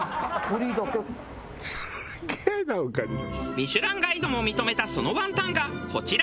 『ミシュラン』も認めたそのワンタンがこちら。